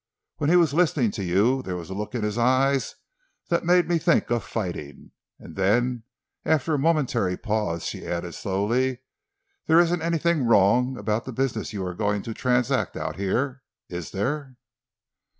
When he was listening to you there was a look in his eyes that made me think of fighting." And then, after a momentary pause, she added slowly, "there isn't anything wrong about the business you are going to transact out here—is there?"